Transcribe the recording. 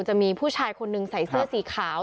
จะมีผู้ชายคนหนึ่งใส่เสื้อสีขาว